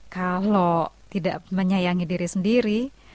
kalau tidak menyayangi diri sendiri